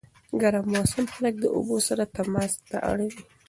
ګرم موسم خلک د اوبو سره تماس ته اړوي.